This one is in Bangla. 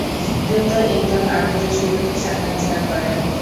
দ্রুত এই দল আরব দেশগুলোতে শাখা বিস্তার করে।